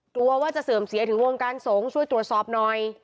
กลัวว่าจะเสื่อมเสียถึงวงการสงฆ์ช่วยตรวจสอบหน่อย